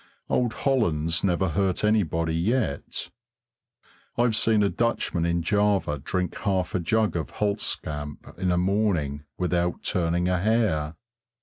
Old Hollands never hurt anybody yet. I've seen a Dutchman in Java drink half a jug of Hulstkamp in a morning without turning a hair.